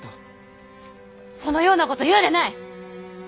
そのようなこと言うでない！